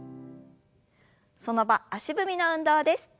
その場足踏みの運動です。